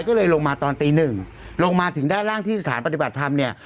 ก็เลยลงมาตอนตีหนึ่งลงมาถึงด้านล่างที่สถานปฏิบัติธรรมเนี่ย